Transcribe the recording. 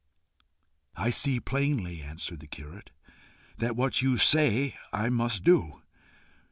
"I see plainly," answered the curate, "that what you say, I must do.